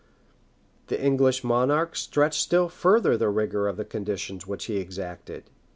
] The English monarch stretched still further the rigor of the conditions which he exacted.